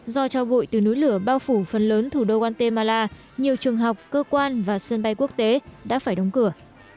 do cho vội từ núi lửa bao phủ phần lớn thủ đô guatemala nhiều trường học cơ quan và sân bay quốc tế đã phải đóng cửa